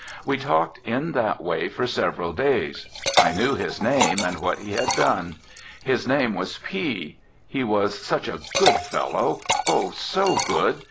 We talked in that way for several days. I knew his name and what he had done. His name was P ; he was such a good fellow; oh! so good.